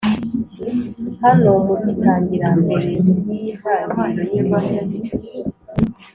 hano mugitangira, mbere yintangiriro yigihe